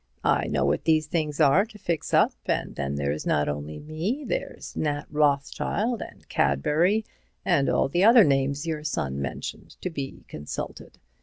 "I know what these things are to fix up. And then there's not only me—there's Nat Rothschild and Cadbury, and all the other names your son mentioned, to be consulted."